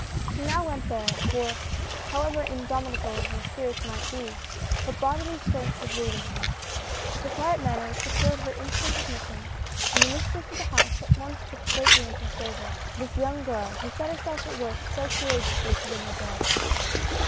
She now went there, for, however indomitable her spirits might be, her bodily strength was leaving her. Her quiet man ner secured her instant admission, and the mistress of MADEMOISELLE BESLIN. 75 the house at once took greatly into favor this young girl, who set herself at work so courageously to win her bread.